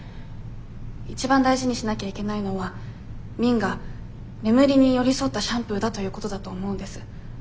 一番大事にしなきゃいけないのは「Ｍｉｎ」が眠りに寄り添ったシャンプーだということだと思うんです。